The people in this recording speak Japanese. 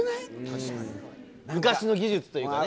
昔の技術というかね。